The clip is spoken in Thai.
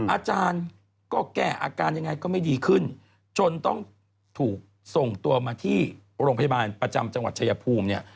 อาจารย์ก็แก้อาการยังไงก็ไม่ดีขึ้นจนต้องถูกส่งตัวมาที่โรงพยาบาลประจำจังหวัดชายภูมิเนี่ย